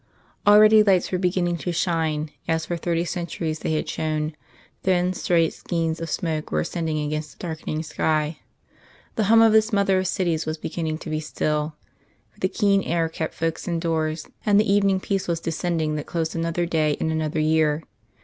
Already lights were beginning to shine, as for thirty centuries they had shone; thin straight skeins of smoke were ascending against the darkening sky. The hum of this Mother of cities was beginning to be still, for the keen air kept folks indoors; and the evening peace was descending that closed another day and another year.